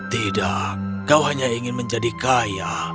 tidak kau hanya ingin menjadi kaya